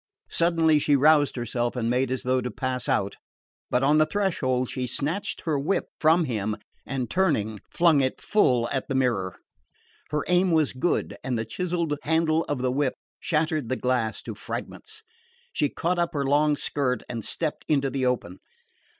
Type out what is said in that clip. Suddenly she roused herself and made as though to pass out; but on the threshold she snatched her whip from him and, turning, flung it full at the mirror. Her aim was good and the chiselled handle of the whip shattered the glass to fragments. She caught up her long skirt and stepped into the open.